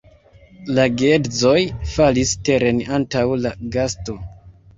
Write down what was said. La geedzoj falis teren antaŭ la gasto.